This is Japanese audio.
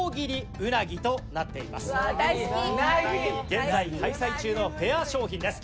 現在開催中のフェア商品です。